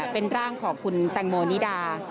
เป็นร่างของคุณแตงโมนิดา